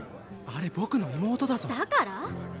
あれ僕の妹だぞだから？